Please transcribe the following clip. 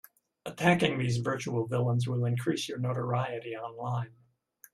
Attacking these virtual villains will increase your notoriety online.